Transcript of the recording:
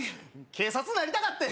警察なりたかってん！